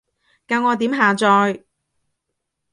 教我點下載？